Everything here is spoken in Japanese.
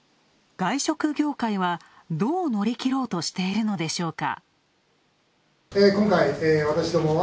外食業界はどう乗り切ろうとしているのでしょうか？